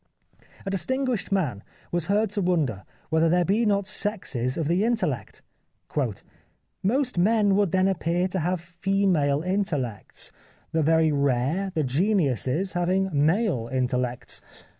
A distinguished man was heard to wonder whether there be not sexes of the intellect. " Most men would then appear to have female intellects ; the very rare, the geniuses, having male intellects.